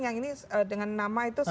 yang ini dengan nama itu